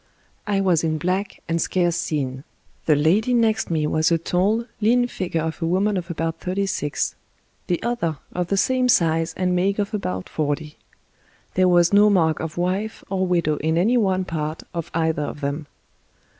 I was in black and scarce seen. The lady next me was a tall, lean figure of a woman of about thirty six; the other, of the same size and make of about forty. There was no mark of wife or widow in any one part of either of them.